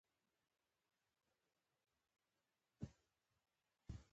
او له هر څه نه لذت وړي.